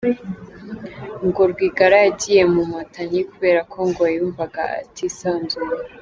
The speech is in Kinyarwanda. Ngo Rwigara yagiye mu Nkotanyi kubera ko ngo ”yumvaga atisanzuye”.